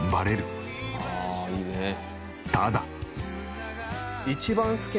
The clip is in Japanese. ただ。